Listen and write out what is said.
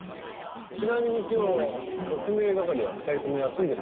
ちなみに今日特命係は２人とも休んでるみたいですよ。